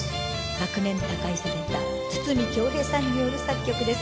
昨年他界された筒美京平さんによる作曲です。